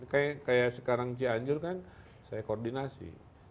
kayak sekarang cianjur kan saya koordinasi